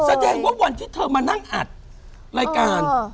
แสดงว่าวันที่เธอมานั่งอัดรายการ